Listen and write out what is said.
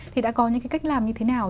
thì đã có những cách làm như thế nào